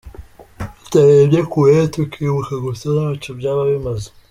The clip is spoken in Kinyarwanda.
Tutarebye kure, tukibuka gusa, ntacyo byaba bimaze.